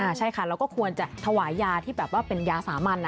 ใช่ค่ะเราก็ควรจะถวายยาที่แบบว่าเป็นยาสามัญ